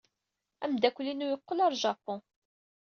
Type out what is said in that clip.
Ameddakel-inu yeqqel ɣer Japun.